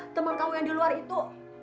teman kamu yang di luar itu